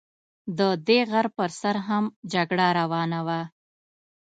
د دې غر پر سر هم جګړه روانه وه.